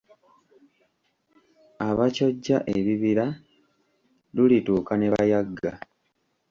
Abakyojja ebibira lulituuka ne bayagga.